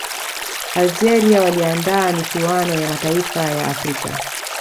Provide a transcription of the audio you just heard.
algeria waliandaa michuano ya mataifa ya afrika